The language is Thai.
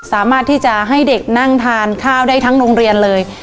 สามารถที่จะให้เด็กนั่งทานข้าวได้ทั้งโรงเรียนเลย